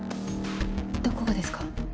どこがですか？